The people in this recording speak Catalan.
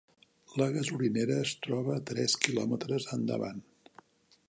La gasolinera es troba a tres quilòmetres endavant.